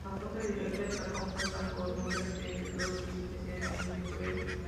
La junta directiva está compuesta por un presidente, dos vicepresidentes y un tesorero.